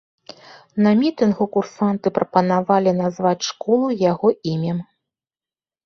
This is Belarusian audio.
На мітынгу курсанты прапанавалі назваць школу яго імем.